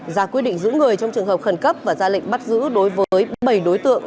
ra quyết định giữ người trong trường hợp khẩn cấp và ra lệnh bắt giữ đối với bảy đối tượng